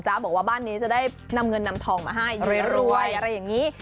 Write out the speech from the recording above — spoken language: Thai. บอกว่าบ้านนี้จะได้นำเงินนำทองมาให้รวยอะไรอย่างนี้